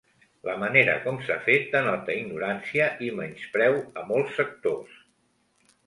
La manera com s’ha fet denota ignorància i menyspreu a molts sectors.